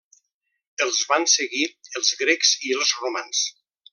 Els van seguir els grecs i romans.